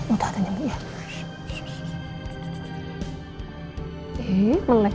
udah ada nyembuhnya